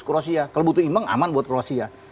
kroasia kalau butuh imbang aman buat kroasia